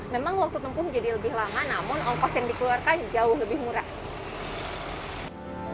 memang waktu tempuh jadi lebih lama namun ongkos yang dikeluarkan jauh lebih murah